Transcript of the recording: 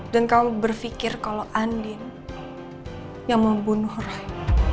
dan kamu berpikir kalau andin yang membunuh roy